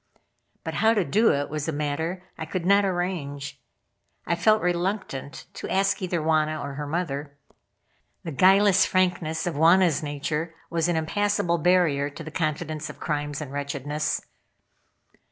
But how to do it was a matter I could not arrange. I felt reluctant to ask either Wauna or her mother. The guileless frankness of Wauna's nature was an impassable barrier to the confidence of crimes and wretchedness.